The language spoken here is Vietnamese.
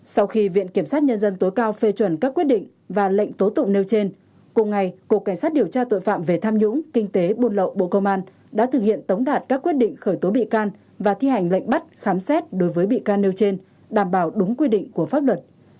sau khi viện kiểm sát nhân dân tối cao phê chuẩn các quyết định và lệnh tố tụng nêu trên cùng ngày cục cảnh sát điều tra tội phạm về tham nhũng kinh tế buôn lậu bộ công an đã thực hiện tống đạt các quyết định khởi tố bị can và thi hành lệnh bắt khám xét đối với bị can nêu trên đảm bảo đúng quy định của pháp luật